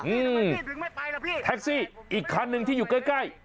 อืมแท็กซี่อีกคันนึงที่อยู่ใกล้